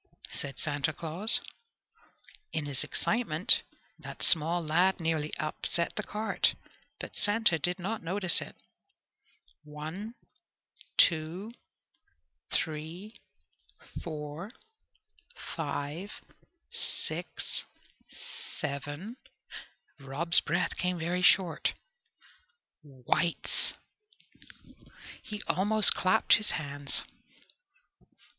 said Santa Claus. In his excitement that small lad nearly upset the cart, but Santa did not notice it. "One, two, three, four, five, six, seven" Rob's breath came very short "whites!" He almost clapped his hands.